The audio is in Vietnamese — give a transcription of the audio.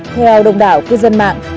theo đồng đảo cư dân mạng